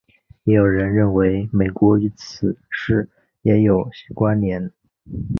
也有人认为美国与此事也有关连。